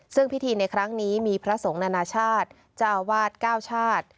ซึ่งพิธีในครั้งนี้มีพระสงฆ์นานาชาติเจ้าอาวาส๙ชาติ